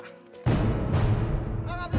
tidak yang mana dia